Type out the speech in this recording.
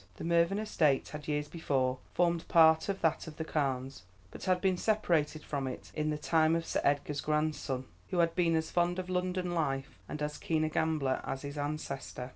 The Mervyn estate had years before formed part of that of the Carnes, but had been separated from it in the time of Sir Edgar's grandson, who had been as fond of London life and as keen a gambler as his ancestor.